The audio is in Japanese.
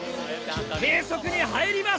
計測に入ります！